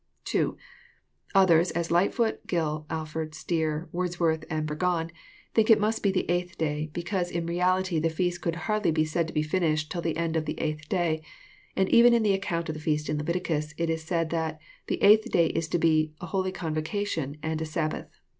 (2) Others, as Lightfoot, Gill, Alford, Stier, Wordsworth, and Burgon, think it must be the eighth day, because in reality the feast could hardly be said to be finished till the end of the eighth day ; and even in the account of the feast in Leviticus, it is said that the eighth day is to be <*aholv convocation " and a '' sab bath."